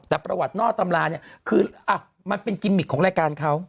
แต่ประวัตินอกตำราเนี่ยคือมันเป็นกิมมิกของรายการเขา